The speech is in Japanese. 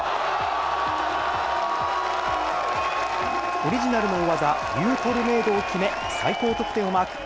オリジナルの大技、ユウトルネードを決め、最高得点をマーク。